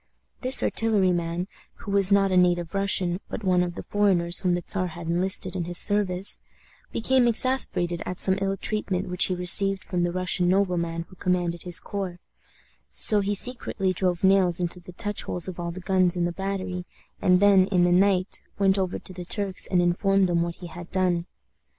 This artilleryman, who was not a native Russian, but one of the foreigners whom the Czar had enlisted in his service, became exasperated at some ill treatment which he received from the Russian nobleman who commanded his corps; so he secretly drove nails into the touchholes of all the guns in the battery, and then, in the night, went over to the Turks and informed them what he had done.